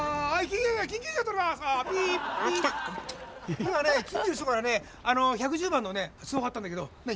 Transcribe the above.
今ね近所の人からねあの１１０番のね通報あったんだけど何？